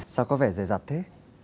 sao có vẻ dài dập thế